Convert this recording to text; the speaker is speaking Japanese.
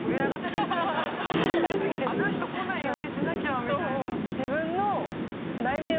あの人来ないようにしなきゃみたいな。